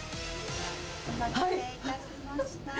お待たせいたしました。